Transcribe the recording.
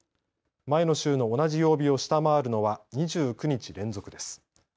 前の週の同じ曜日を下回るのは２９日連続です。